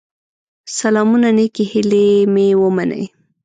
سلامونه نيکي هيلي مي ومنئ